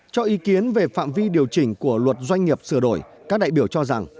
cho ý kiến về phạm vi điều chỉnh của luật doanh nghiệp sửa đổi các đại biểu cho rằng